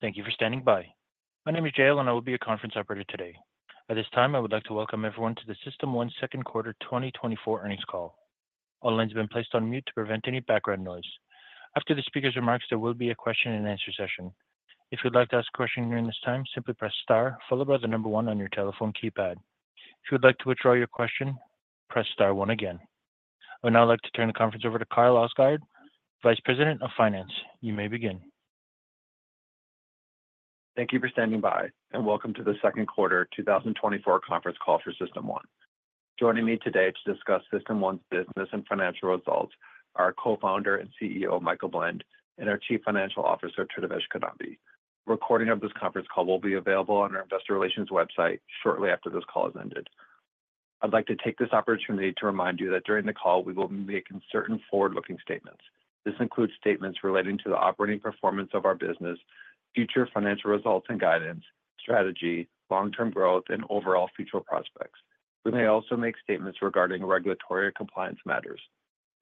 Thank you for standing by. My name is Jayle, and I will be your conference operator today. At this time, I would like to welcome everyone to the System1 Second Quarter 2024 Earnings Call. All lines have been placed on mute to prevent any background noise. After the speaker's remarks, there will be a question and answer session. If you'd like to ask a question during this time, simply press star followed by the number one on your telephone keypad. If you would like to withdraw your question, press star one again. I would now like to turn the conference over to Kyle Ostgaard, Vice President of Finance. You may begin. Thank you for standing by, and welcome to the second quarter 2024 conference call for System1. Joining me today to discuss System1's business and financial results are our Co-founder and CEO, Michael Blend, and our Chief Financial Officer, Tridivesh Kidambi. A recording of this conference call will be available on our investor relations website shortly after this call has ended. I'd like to take this opportunity to remind you that during the call, we will be making certain forward-looking statements. This includes statements relating to the operating performance of our business, future financial results and guidance, strategy, long-term growth, and overall future prospects. We may also make statements regarding regulatory or compliance matters.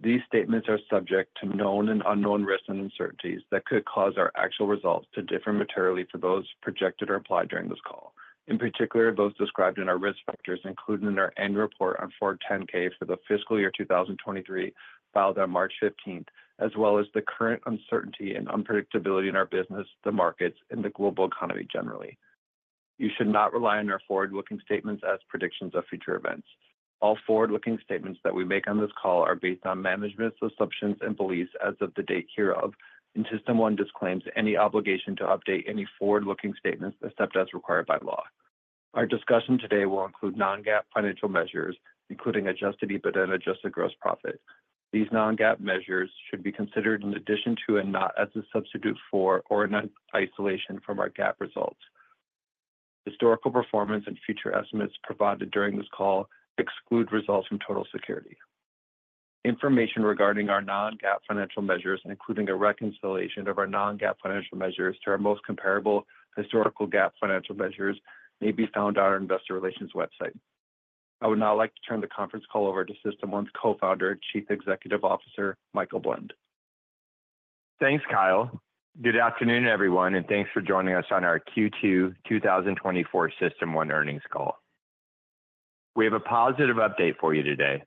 These statements are subject to known and unknown risks and uncertainties that could cause our actual results to differ materially from those projected or implied during this call, in particular, those described in our risk factors included in our annual report on Form 10-K for the fiscal year 2023, filed on March 15th, as well as the current uncertainty and unpredictability in our business, the markets, and the global economy generally. You should not rely on our forward-looking statements as predictions of future events. All forward-looking statements that we make on this call are based on management's assumptions and beliefs as of the date hereof, and System1 disclaims any obligation to update any forward-looking statements except as required by law. Our discussion today will include non-GAAP financial measures, including Adjusted EBITDA and Adjusted Gross Profit. These non-GAAP measures should be considered in addition to, and not as a substitute for, or in isolation from our GAAP results. Historical performance and future estimates provided during this call exclude results from Total Security. Information regarding our non-GAAP financial measures, including a reconciliation of our non-GAAP financial measures to our most comparable historical GAAP financial measures, may be found on our investor relations website. I would now like to turn the conference call over to System1's Co-founder and Chief Executive Officer, Michael Blend. Thanks, Kyle. Good afternoon, everyone, and thanks for joining us on our Q2 2024 System1 earnings call. We have a positive update for you today.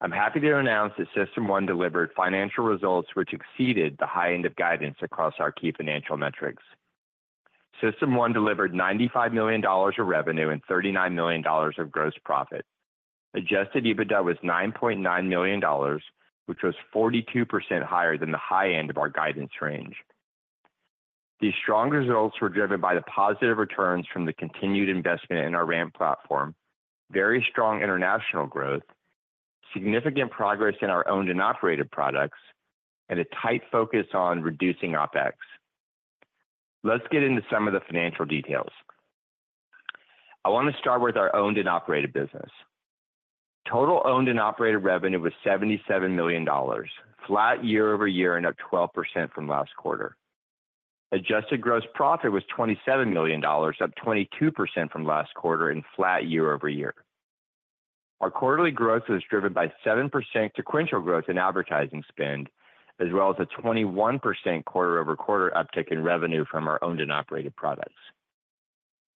I'm happy to announce that System1 delivered financial results which exceeded the high end of guidance across our key financial metrics. System1 delivered $95 million of revenue and $39 million of gross profit. Adjusted EBITDA was $9.9 million, which was 42% higher than the high end of our guidance range. These strong results were driven by the positive returns from the continued investment in our RAMP platform, very strong international growth, significant progress in our owned and operated products, and a tight focus on reducing OpEx. Let's get into some of the financial details. I want to start with our owned and operated business. Total owned and operated revenue was $77 million, flat year-over-year and up 12% from last quarter. Adjusted Gross Profit was $27 million, up 22% from last quarter and flat year-over-year. Our quarterly growth was driven by 7% sequential growth in advertising spend, as well as a 21% quarter-over-quarter uptick in revenue from our owned and operated products.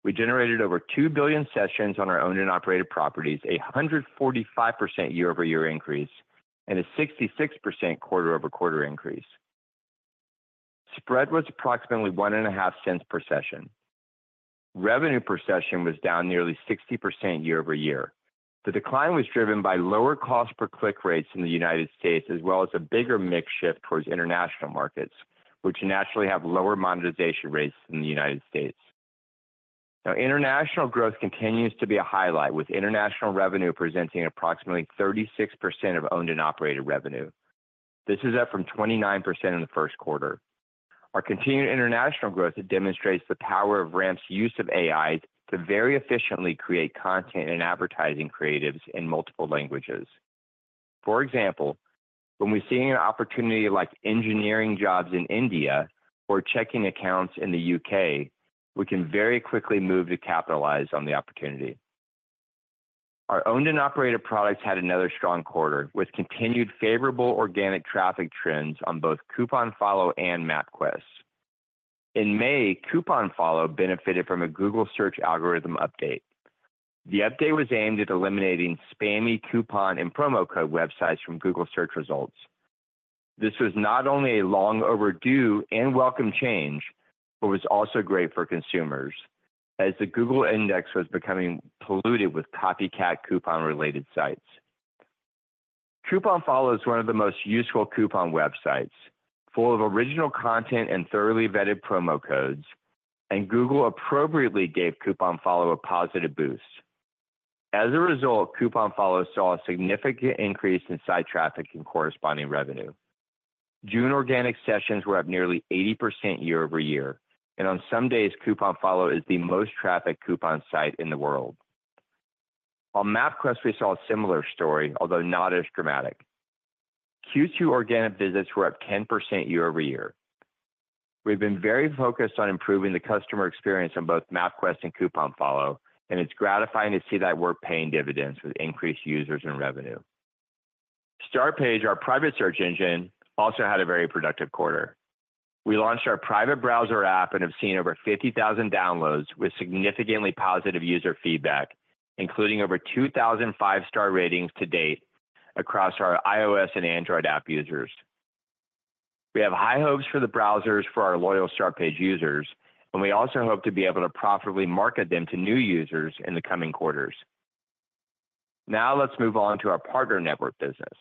We generated over 2 billion sessions on our owned and operated properties, a 145% year-over-year increase, and a 66% quarter-over-quarter increase. Spread was approximately $0.015 per session. Revenue per session was down nearly 60% year-over-year. The decline was driven by lower cost per click rates in the United States, as well as a bigger mix shift towards international markets, which naturally have lower monetization rates than the United States. Now, international growth continues to be a highlight, with international revenue presenting approximately 36% of owned and operated revenue. This is up from 29% in the first quarter. Our continued international growth demonstrates the power of RAMP's use of AI to very efficiently create content and advertising creatives in multiple languages. For example, when we're seeing an opportunity like engineering jobs in India or checking accounts in the U.K., we can very quickly move to capitalize on the opportunity. Our owned and operated products had another strong quarter, with continued favorable organic traffic trends on both CouponFollow and MapQuest. In May, CouponFollow benefited from a Google Search algorithm update. The update was aimed at eliminating spammy coupon and promo code websites from Google Search results. This was not only a long overdue and welcome change, but was also great for consumers, as the Google index was becoming polluted with copycat coupon-related sites. CouponFollow is one of the most useful coupon websites, full of original content and thoroughly vetted promo codes, and Google appropriately gave CouponFollow a positive boost. As a result, CouponFollow saw a significant increase in site traffic and corresponding revenue. June organic sessions were up nearly 80% year-over-year, and on some days, CouponFollow is the most trafficked coupon site in the world. On MapQuest, we saw a similar story, although not as dramatic. Q2 organic visits were up 10% year-over-year. We've been very focused on improving the customer experience on both MapQuest and CouponFollow, and it's gratifying to see that we're paying dividends with increased users and revenue. Startpage, our private search engine, also had a very productive quarter. We launched our private browser app and have seen over 50,000 downloads with significantly positive user feedback, including over 2,000 five-star ratings to date across our iOS and Android app users. We have high hopes for the browsers for our loyal Startpage users, and we also hope to be able to profitably market them to new users in the coming quarters. Now, let's move on to our partner network business.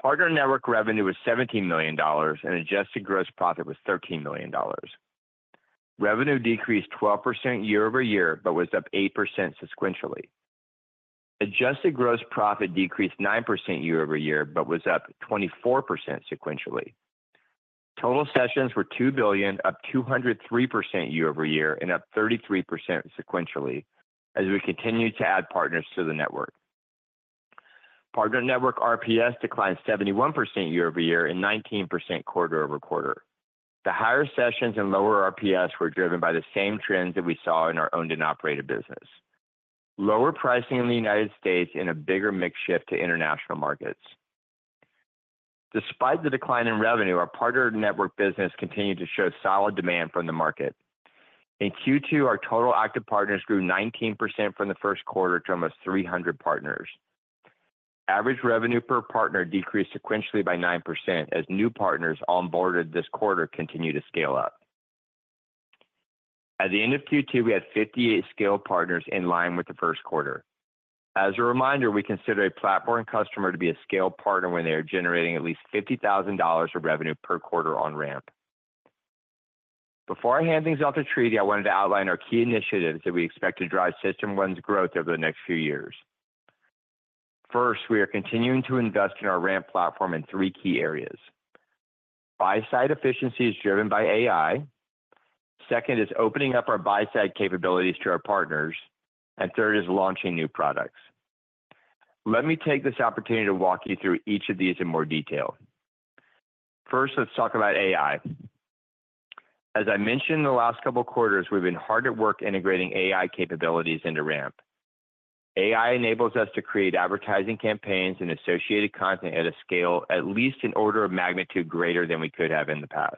Partner network revenue was $17 million, and Adjusted Gross Profit was $13 million. Revenue decreased 12% year-over-year, but was up 8% sequentially. Adjusted Gross Profit decreased 9% year-over-year, but was up 24% sequentially. Total sessions were 2 billion, up 203% year-over-year and up 33% sequentially as we continued to add partners to the network. Partner network RPS declined 71% year-over-year and 19% quarter-over-quarter. The higher sessions and lower RPS were driven by the same trends that we saw in our owned and operated business. Lower pricing in the United States and a bigger mix shift to international markets. Despite the decline in revenue, our partner network business continued to show solid demand from the market. In Q2, our total active partners grew 19% from the first quarter to almost 300 partners. Average revenue per partner decreased sequentially by 9%, as new partners onboarded this quarter continued to scale up. At the end of Q2, we had 58 scale partners in line with the first quarter. As a reminder, we consider a platform customer to be a scale partner when they are generating at least $50,000 of revenue per quarter on RAMP. Before I hand things off to Tridi, I wanted to outline our key initiatives that we expect to drive System1's growth over the next few years. First, we are continuing to invest in our RAMP platform in 3 key areas. Buy-side efficiency is driven by AI. Second is opening up our buy-side capabilities to our partners, and third is launching new products. Let me take this opportunity to walk you through each of these in more detail. First, let's talk about AI. As I mentioned in the last couple of quarters, we've been hard at work integrating AI capabilities into RAMP. AI enables us to create advertising campaigns and associated content at a scale, at least an order of magnitude greater than we could have in the past.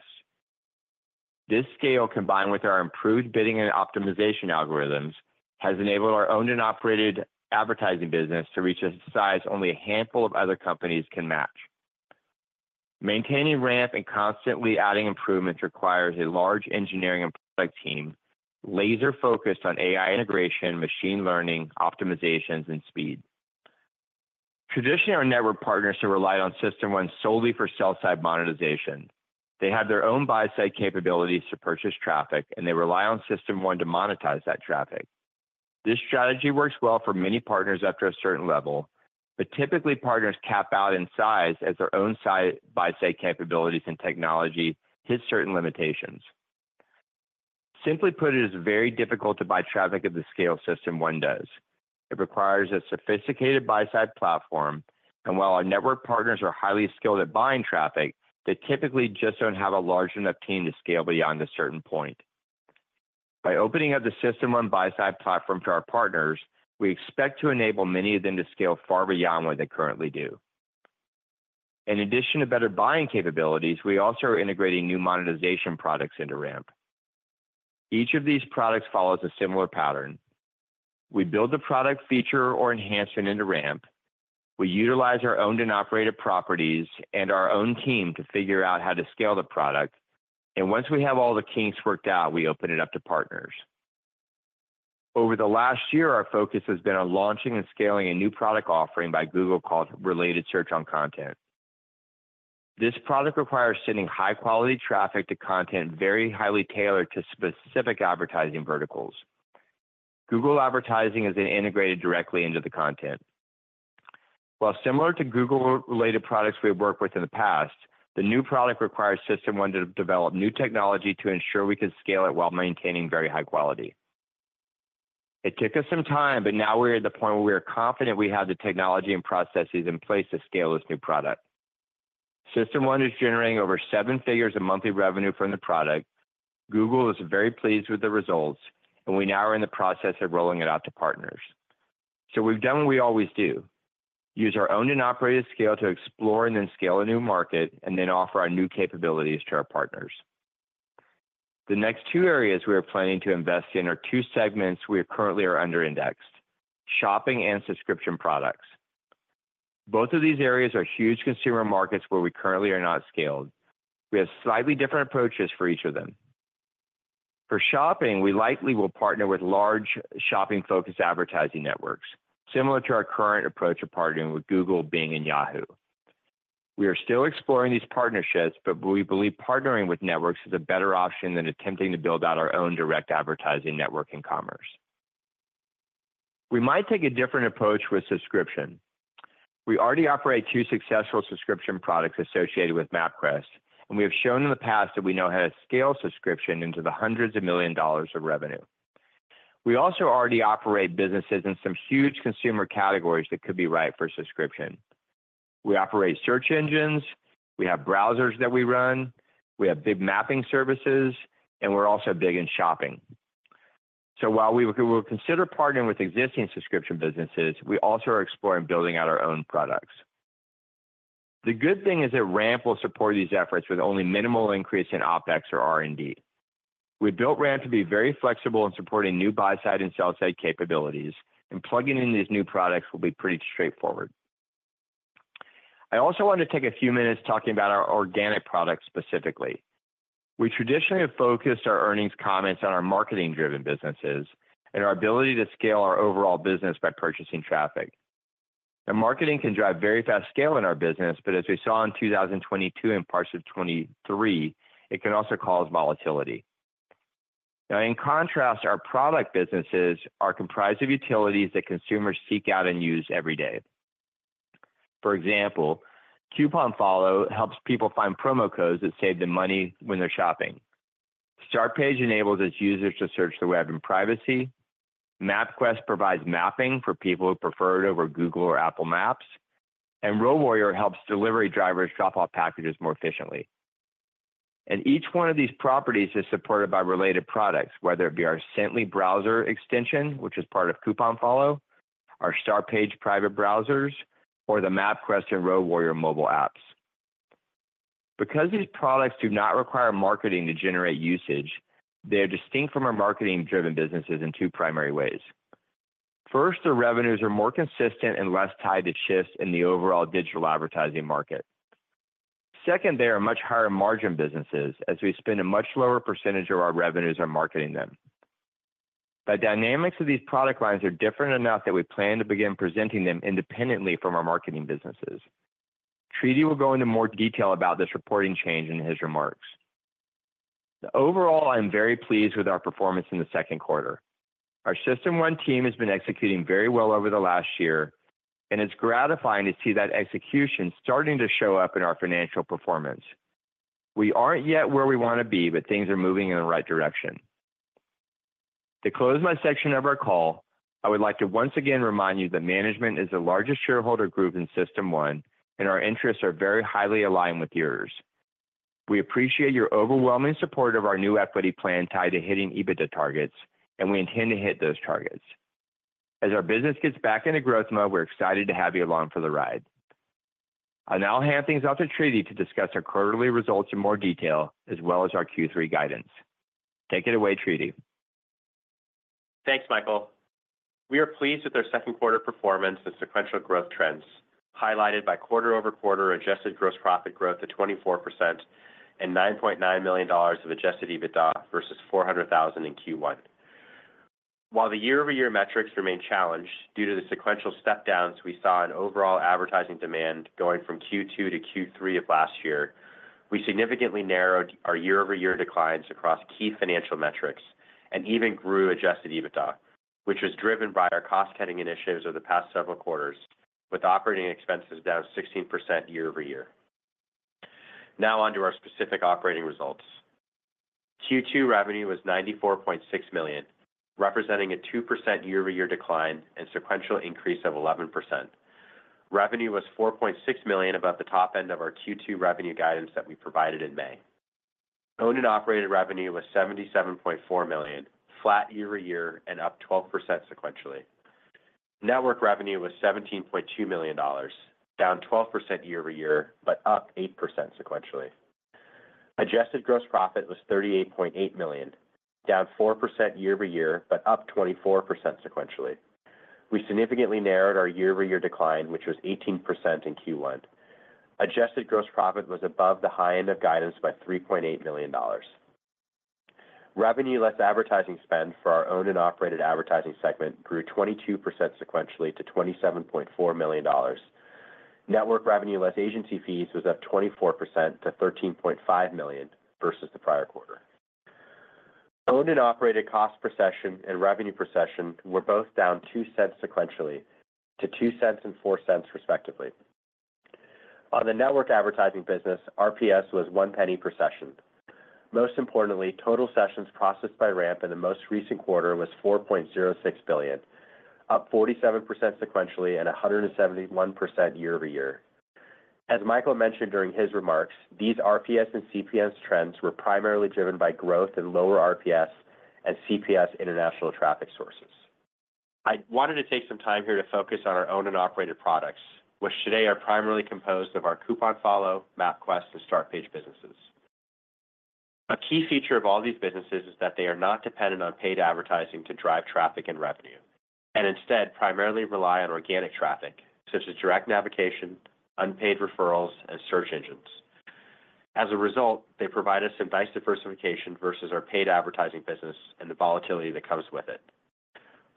This scale, combined with our improved bidding and optimization algorithms, has enabled our owned and operated advertising business to reach a size only a handful of other companies can match. Maintaining RAMP and constantly adding improvements requires a large engineering and product team, laser-focused on AI integration, machine learning, optimizations, and speed. Traditionally, our network partners have relied on System1 solely for sell-side monetization. They have their own buy-side capabilities to purchase traffic, and they rely on System1 to monetize that traffic. This strategy works well for many partners up to a certain level, but typically, partners cap out in size as their own site buy-side capabilities and technology hit certain limitations. Simply put, it is very difficult to buy traffic at the scale System1 does. It requires a sophisticated buy-side platform, and while our network partners are highly skilled at buying traffic, they typically just don't have a large enough team to scale beyond a certain point. By opening up the System1 buy-side platform to our partners, we expect to enable many of them to scale far beyond what they currently do. In addition to better buying capabilities, we also are integrating new monetization products into RAMP. Each of these products follows a similar pattern. We build the product feature or enhance it into RAMP. We utilize our owned and operated properties and our own team to figure out how to scale the product, and once we have all the kinks worked out, we open it up to partners. Over the last year, our focus has been on launching and scaling a new product offering by Google called Related Search on Content. This product requires sending high-quality traffic to content very highly tailored to specific advertising verticals. Google Advertising is then integrated directly into the content. While similar to Google-related products we have worked with in the past, the new product requires System1 to develop new technology to ensure we can scale it while maintaining very high quality. It took us some time, but now we're at the point where we are confident we have the technology and processes in place to scale this new product. System1 is generating over 7 figures of monthly revenue from the product. Google is very pleased with the results, and we now are in the process of rolling it out to partners. So we've done what we always do: use our owned and operated scale to explore and then scale a new market, and then offer our new capabilities to our partners. The next two areas we are planning to invest in are two segments we are currently underindexed: shopping and subscription products. Both of these areas are huge consumer markets where we currently are not scaled. We have slightly different approaches for each of them. For shopping, we likely will partner with large shopping-focused advertising networks, similar to our current approach of partnering with Google, Bing, and Yahoo! We are still exploring these partnerships, but we believe partnering with networks is a better option than attempting to build out our own direct advertising network in commerce. We might take a different approach with subscription. We already operate two successful subscription products associated with MapQuest, and we have shown in the past that we know how to scale subscription into the hundreds of millions of dollars of revenue. We also already operate businesses in some huge consumer categories that could be right for subscription. We operate search engines, we have browsers that we run, we have big mapping services, and we're also big in shopping.... So while we will consider partnering with existing subscription businesses, we also are exploring building out our own products. The good thing is that RAMP will support these efforts with only minimal increase in OpEx or R&D. We built RAMP to be very flexible in supporting new buy-side and sell-side capabilities, and plugging in these new products will be pretty straightforward. I also want to take a few minutes talking about our organic products specifically. We traditionally have focused our earnings comments on our marketing-driven businesses and our ability to scale our overall business by purchasing traffic. Now, marketing can drive very fast scale in our business, but as we saw in 2022 and parts of 2023, it can also cause volatility. Now, in contrast, our product businesses are comprised of utilities that consumers seek out and use every day. For example, CouponFollow helps people find promo codes that save them money when they're shopping. Startpage enables its users to search the web in privacy. MapQuest provides mapping for people who prefer it over Google or Apple Maps, and RoadWarrior helps delivery drivers drop off packages more efficiently. Each one of these properties is supported by related products, whether it be our Cently browser extension, which is part of CouponFollow, our Startpage private browsers, or the MapQuest and RoadWarrior mobile apps. Because these products do not require marketing to generate usage, they are distinct from our marketing-driven businesses in two primary ways. First, their revenues are more consistent and less tied to shifts in the overall digital advertising market. Second, they are much higher margin businesses as we spend a much lower percentage of our revenues on marketing them. The dynamics of these product lines are different enough that we plan to begin presenting them independently from our marketing businesses. Tridi will go into more detail about this reporting change in his remarks. Overall, I'm very pleased with our performance in the second quarter. Our System1 team has been executing very well over the last year, and it's gratifying to see that execution starting to show up in our financial performance. We aren't yet where we want to be, but things are moving in the right direction. To close my section of our call, I would like to once again remind you that management is the largest shareholder group in System1, and our interests are very highly aligned with yours. We appreciate your overwhelming support of our new equity plan tied to hitting EBITDA targets, and we intend to hit those targets. As our business gets back into growth mode, we're excited to have you along for the ride. I'll now hand things off to Tridi to discuss our quarterly results in more detail, as well as our Q3 guidance. Take it away, Tridi. Thanks, Michael. We are pleased with our second quarter performance and sequential growth trends, highlighted by quarter-over-quarter Adjusted Gross Profit growth to 24% and $9.9 million of Adjusted EBITDA versus $400,000 in Q1. While the year-over-year metrics remain challenged due to the sequential step downs we saw in overall advertising demand going from Q2 to Q3 of last year, we significantly narrowed our year-over-year declines across key financial metrics and even grew Adjusted EBITDA, which was driven by our cost-cutting initiatives over the past several quarters, with operating expenses down 16% year-over-year. Now on to our specific operating results. Q2 revenue was $94.6 million, representing a 2% year-over-year decline and sequential increase of 11%. Revenue was $4.6 million above the top end of our Q2 revenue guidance that we provided in May. Owned and operated revenue was $77.4 million, flat year-over-year and up 12% sequentially. Network revenue was $17.2 million, down 12% year-over-year, but up 8% sequentially. Adjusted Gross Profit was $38.8 million, down 4% year-over-year, but up 24% sequentially. We significantly narrowed our year-over-year decline, which was 18% in Q1. Adjusted Gross Profit was above the high end of guidance by $3.8 million. Revenue less advertising spend for our owned and operated advertising segment grew 22% sequentially to $27.4 million. Network revenue less agency fees was up 24% to $13.5 million versus the prior quarter. Owned and operated cost per session and revenue per session were both down $0.02 sequentially to $0.02 and $0.04, respectively. On the network advertising business, RPS was $0.01 per session. Most importantly, total sessions processed by RAMP in the most recent quarter was 4.06 billion, up 47% sequentially and 171% year-over-year. As Michael mentioned during his remarks, these RPS and CPS trends were primarily driven by growth in lower RPS and CPS international traffic sources. I wanted to take some time here to focus on our owned and operated products, which today are primarily composed of our CouponFollow, MapQuest, and Startpage businesses. A key feature of all these businesses is that they are not dependent on paid advertising to drive traffic and revenue, and instead primarily rely on organic traffic, such as direct navigation, unpaid referrals, and search engines. As a result, they provide us some nice diversification versus our paid advertising business and the volatility that comes with it.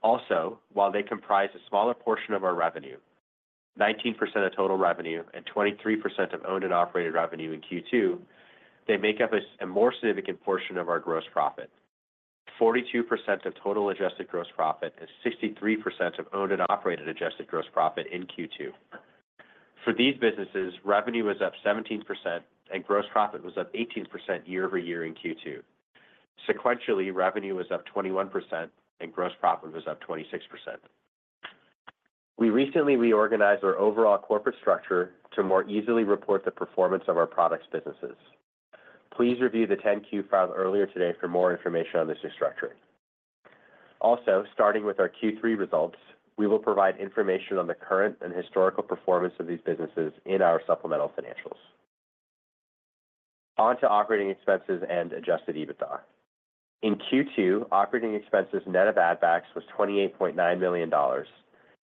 Also, while they comprise a smaller portion of our revenue, 19% of total revenue and 23% of owned and operated revenue in Q2, they make up a more significant portion of our gross profit. 42% of total Adjusted Gross Profit and 63% of owned and operated Adjusted Gross Profit in Q2. For these businesses, revenue was up 17% and gross profit was up 18% year-over-year in Q2. Sequentially, revenue was up 21% and gross profit was up 26%. We recently reorganized our overall corporate structure to more easily report the performance of our products businesses. Please review the 10-Q filing earlier today for more information on this restructuring. Also, starting with our Q3 results, we will provide information on the current and historical performance of these businesses in our supplemental financials. On to operating expenses and Adjusted EBITDA. In Q2, operating expenses net of add-backs was $28.9 million,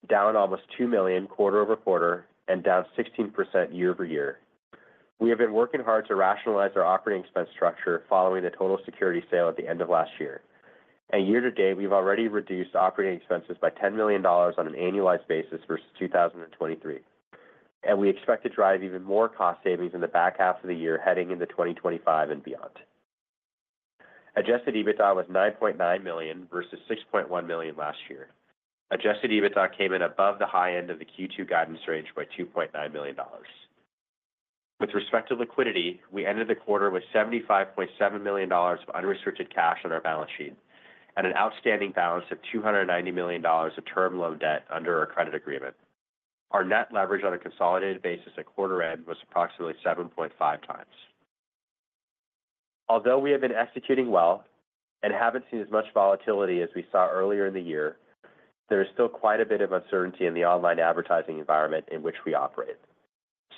down almost $2 million quarter-over-quarter and down 16% year-over-year. We have been working hard to rationalize our operating expense structure following the Total Security sale at the end of last year. Year to date, we've already reduced operating expenses by $10 million on an annualized basis versus 2023, and we expect to drive even more cost savings in the back half of the year, heading into 2025 and beyond. Adjusted EBITDA was $9.9 million versus $6.1 million last year. Adjusted EBITDA came in above the high end of the Q2 guidance range by $2.9 million. With respect to liquidity, we ended the quarter with $75.7 million of unrestricted cash on our balance sheet and an outstanding balance of $290 million of term loan debt under our credit agreement. Our net leverage on a consolidated basis at quarter end was approximately 7.5 times. Although we have been executing well and haven't seen as much volatility as we saw earlier in the year, there is still quite a bit of uncertainty in the online advertising environment in which we operate,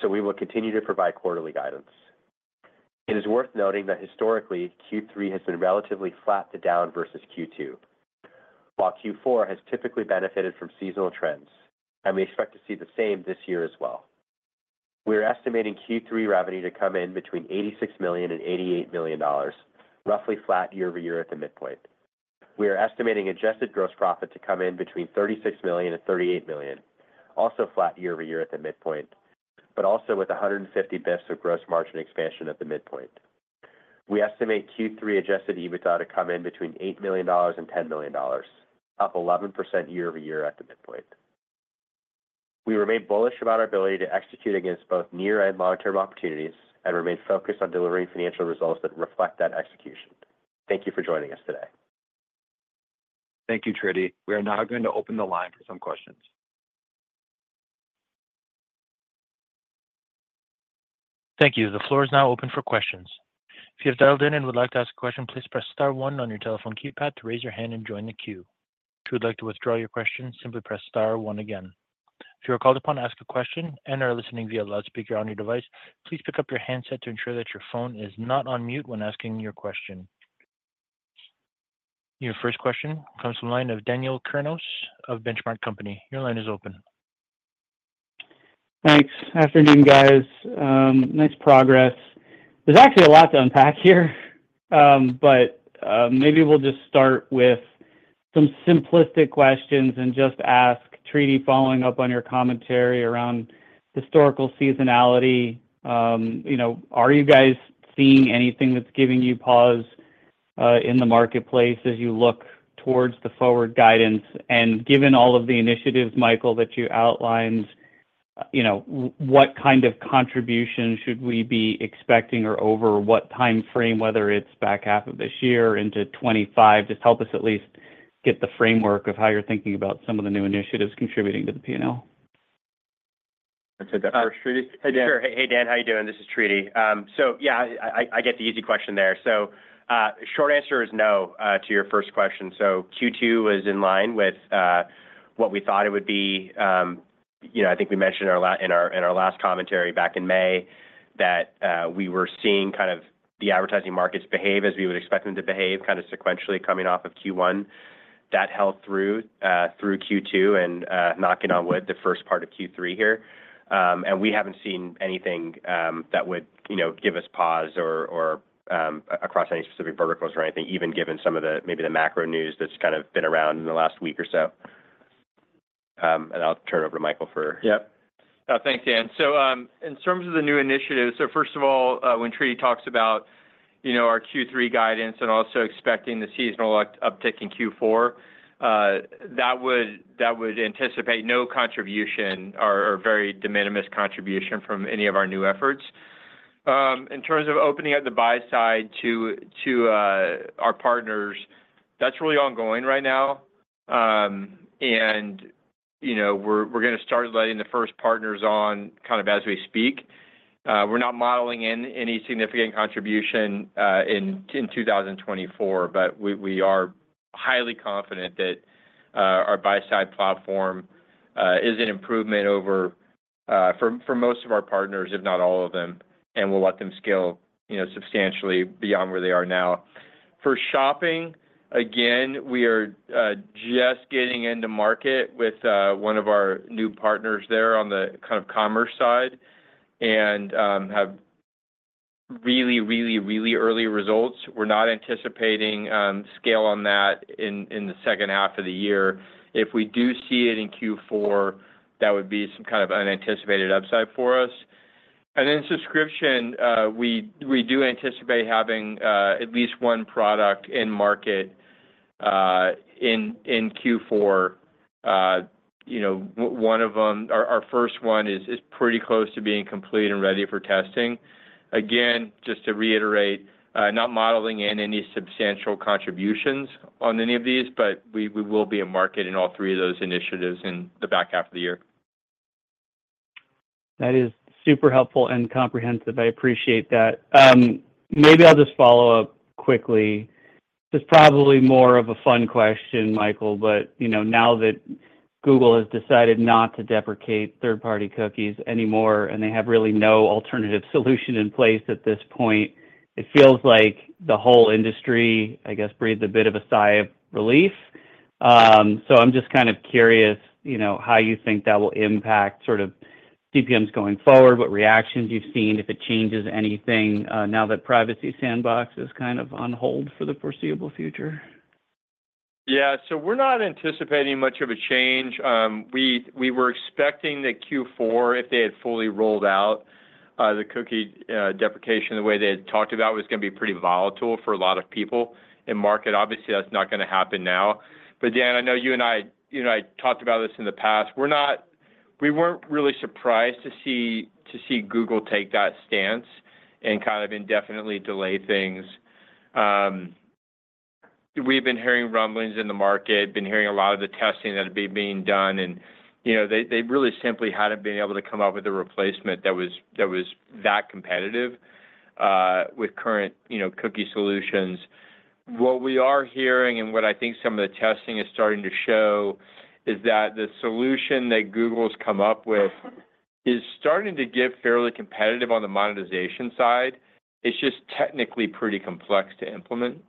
so we will continue to provide quarterly guidance. It is worth noting that historically, Q3 has been relatively flat to down versus Q2, while Q4 has typically benefited from seasonal trends, and we expect to see the same this year as well. We are estimating Q3 revenue to come in between $86 million and $88 million, roughly flat year-over-year at the midpoint. We are estimating Adjusted Gross Profit to come in between $36 million and $38 million, also flat year-over-year at the midpoint, but also with 150 basis points of gross margin expansion at the midpoint. We estimate Q3 adjusted EBITDA to come in between $8 million and $10 million, up 11% year-over-year at the midpoint. We remain bullish about our ability to execute against both near and long-term opportunities, and remain focused on delivering financial results that reflect that execution. Thank you for joining us today. Thank you, Tridi. We are now going to open the line for some questions. Thank you. The floor is now open for questions. If you have dialed in and would like to ask a question, please press star one on your telephone keypad to raise your hand and join the queue. If you would like to withdraw your question, simply press star one again. If you are called upon to ask a question and are listening via loudspeaker on your device, please pick up your handset to ensure that your phone is not on mute when asking your question. Your first question comes from the line of Daniel Kurnos of Benchmark Company. Your line is open. Thanks. Afternoon, guys. Nice progress. There's actually a lot to unpack here, but maybe we'll just start with some simplistic questions and just ask. Tridi, following up on your commentary around historical seasonality, you know, are you guys seeing anything that's giving you pause in the marketplace as you look towards the forward guidance? And given all of the initiatives, Michael, that you outlined, you know, what kind of contribution should we be expecting or over what time frame, whether it's back half of this year into 2025? Just help us at least get the framework of how you're thinking about some of the new initiatives contributing to the P&L. Want to take that first, Tridi? Hey, Dan. Hey, Dan. How you doing? This is Tridi. So yeah, I get the easy question there. So short answer is no to your first question. So Q2 was in line with what we thought it would be. You know, I think we mentioned in our last commentary back in May, that we were seeing kind of the advertising markets behave as we would expect them to behave, kind of sequentially coming off of Q1. That held through Q2 and knock on wood, the first part of Q3 here. And we haven't seen anything that would, you know, give us pause or across any specific verticals or anything, even given some of the... maybe the macro news that's kind of been around in the last week or so. I'll turn it over to Michael for- Yep. Thanks, Dan. So, in terms of the new initiatives, so first of all, when Tridi talks about, you know, our Q3 guidance and also expecting the seasonal uptick in Q4, that would anticipate no contribution or very de minimis contribution from any of our new efforts. In terms of opening up the buy-side to our partners, that's really ongoing right now. And, you know, we're going to start letting the first partners on kind of as we speak. We're not modeling in any significant contribution in 2024, but we are highly confident that our buy-side platform is an improvement over for most of our partners, if not all of them, and we'll let them scale, you know, substantially beyond where they are now. For shopping, again, we are just getting into market with one of our new partners there on the kind of commerce side and have really, really, really early results. We're not anticipating scale on that in the second half of the year. If we do see it in Q4, that would be some kind of unanticipated upside for us. And in subscription, we do anticipate having at least one product in market in Q4. You know, one of them... Our first one is pretty close to being complete and ready for testing. Again, just to reiterate, not modeling in any substantial contributions on any of these, but we will be in market in all three of those initiatives in the back half of the year.... That is super helpful and comprehensive. I appreciate that. Maybe I'll just follow up quickly. This is probably more of a fun question, Michael, but, you know, now that Google has decided not to deprecate third-party cookies anymore, and they have really no alternative solution in place at this point, it feels like the whole industry, I guess, breathed a bit of a sigh of relief. So I'm just kind of curious, you know, how you think that will impact sort of DPMs going forward, what reactions you've seen, if it changes anything, now that Privacy Sandbox is kind of on hold for the foreseeable future? Yeah. So we're not anticipating much of a change. We were expecting that Q4, if they had fully rolled out the cookie deprecation, the way they had talked about, was gonna be pretty volatile for a lot of people in market. Obviously, that's not gonna happen now. But, Dan, I know you and I, you know, I talked about this in the past. We weren't really surprised to see Google take that stance and kind of indefinitely delay things. We've been hearing rumblings in the market, been hearing a lot of the testing that had been done, and, you know, they really simply hadn't been able to come up with a replacement that was that competitive with current, you know, cookie solutions. What we are hearing and what I think some of the testing is starting to show is that the solution that Google's come up with is starting to get fairly competitive on the monetization side. It's just technically pretty complex to implement.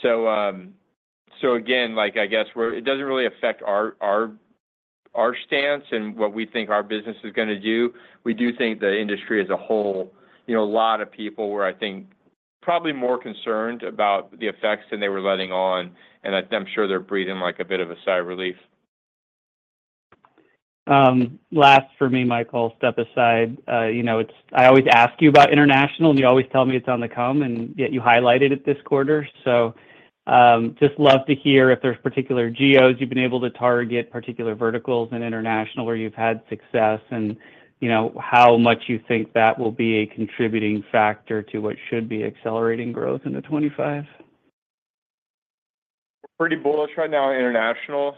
So, so again, like, I guess it doesn't really affect our stance and what we think our business is gonna do. We do think the industry as a whole, you know, a lot of people were, I think, probably more concerned about the effects than they were letting on, and I, I'm sure they're breathing like a bit of a sigh of relief. Last for me, Michael, step aside. You know, it's- I always ask you about international, and you always tell me it's on the come, and yet you highlighted it this quarter. So, just love to hear if there's particular geos you've been able to target, particular verticals in international where you've had success, and, you know, how much you think that will be a contributing factor to what should be accelerating growth into 2025. We're pretty bullish right now in international.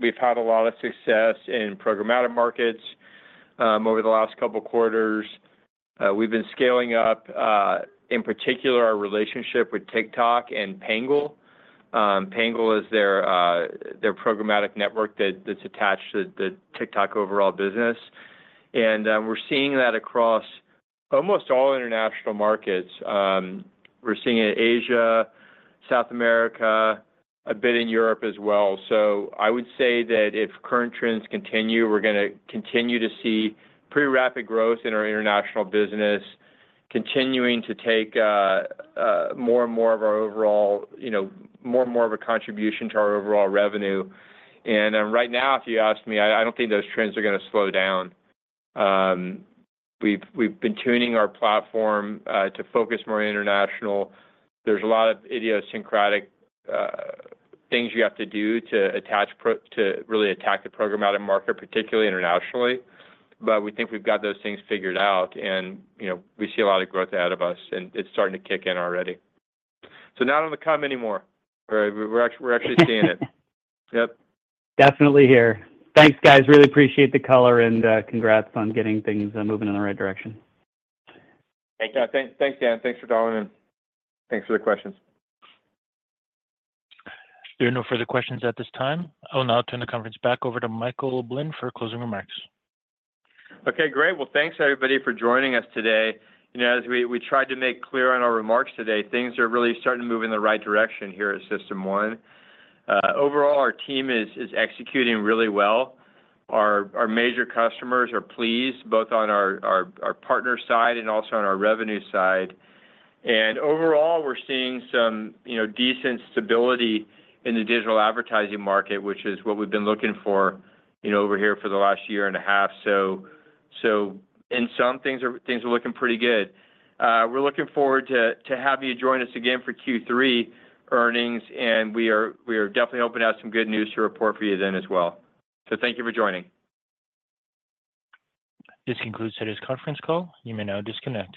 We've had a lot of success in programmatic markets, over the last couple of quarters. We've been scaling up, in particular, our relationship with TikTok and Pangle. Pangle is their, their programmatic network that's attached to the TikTok overall business, and, we're seeing that across almost all international markets. We're seeing it in Asia, South America, a bit in Europe as well. So I would say that if current trends continue, we're gonna continue to see pretty rapid growth in our international business, continuing to take, more and more of our overall... you know, more and more of a contribution to our overall revenue. And then right now, if you ask me, I don't think those trends are gonna slow down. We've been tuning our platform to focus more international. There's a lot of idiosyncratic things you have to do to really attack the programmatic market, particularly internationally, but we think we've got those things figured out, and, you know, we see a lot of growth out of us, and it's starting to kick in already. So not on the come anymore. We're actually seeing it. Yep. Definitely here. Thanks, guys. Really appreciate the color, and, congrats on getting things moving in the right direction. Thank you. Yeah, thanks, Dan. Thanks for dialing in. Thanks for the questions. There are no further questions at this time. I'll now turn the conference back over to Michael Blend for closing remarks. Okay, great. Well, thanks, everybody, for joining us today. You know, as we tried to make clear on our remarks today, things are really starting to move in the right direction here at System1. Overall, our team is executing really well. Our major customers are pleased, both on our partner side and also on our revenue side. And overall, we're seeing some, you know, decent stability in the digital advertising market, which is what we've been looking for, you know, over here for the last year and a half. So, things are looking pretty good. We're looking forward to have you join us again for Q3 earnings, and we are definitely hoping to have some good news to report for you then as well. So thank you for joining. This concludes today's conference call. You may now disconnect.